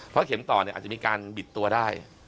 เพราะเข็มต่ออาจจะมีการบิดตัวได้